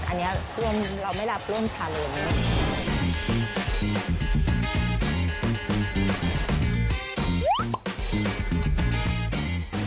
อันนี้ควรเราไม่รับร่วมชาเลนส์